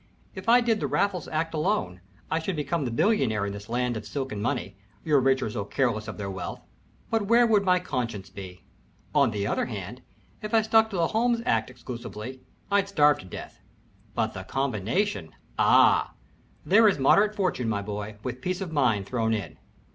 "If I did the Raffles act alone, I should become the billionaire in this land of silk and money, your rich are so careless of their wealth but where would my conscience be? On the other hand, if I stuck to the Holmes act exclusively, I'd starve to death; but the combination ah there is moderate fortune, my boy, with peace of mind thrown in."